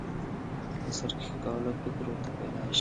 د سرکښي کولو فکر ورته پیدا شي.